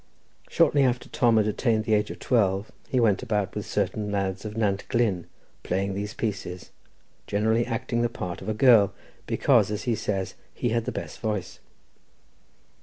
Shortly after Tom had attained the age of twelve he went about with certain lads of Nantglyn playing these pieces, generally acting the part of a girl, because, as he says, he had the best voice.